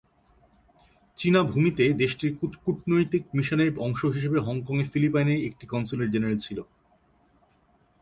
চীনা ভূমিতে দেশটির কূটনৈতিক মিশনের অংশ হিসেবে হংকংয়ে ফিলিপাইনের একটি কনস্যুলেট জেনারেল ছিল।